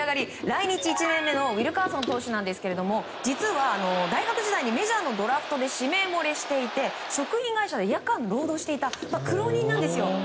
来日１年目のウィルカーソン投手なんですが実は、大学時代にメジャーのドラフトで指名もれしていて、食品会社で夜間に労働していた苦労人なんですよ。